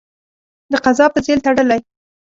د قضا په ځېل تړلی.